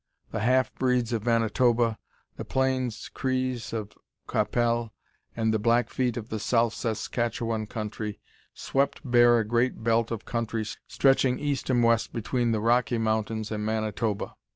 The half breeds of Manitoba, the Plains Crees of Qu'Appelle, and the Blackfeet of the South Saskatchewan country swept bare a great belt of country stretching east and west between the Rocky Mountains and Manitoba.